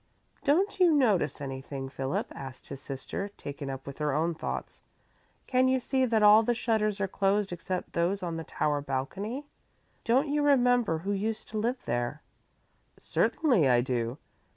"Don't you notice anything, Philip?" asked his sister, taken up with her own thoughts. "Can you see that all the shutters are closed except those on the tower balcony? Don't you remember who used to live there?" "Certainly I do.